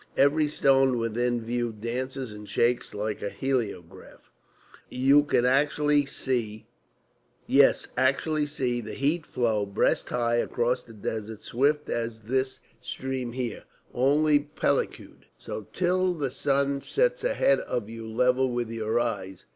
Every stone within view dances and shakes like a heliograph; you can see yes, actually see the heat flow breast high across the desert swift as this stream here, only pellucid. So till the sun sets ahead of you level with your eyes!